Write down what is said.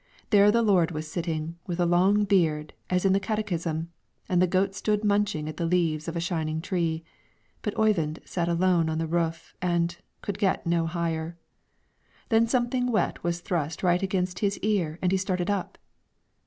There the Lord was sitting, with a long beard, as in the Catechism, and the goat stood munching at the leaves of a shining tree; but Oyvind sat alone on the roof, and, could get no higher. Then something wet was thrust right against his ear, and he started up.